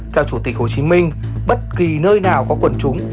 theo chủ tịch hồ chí minh bất kỳ nơi nào có quần chúng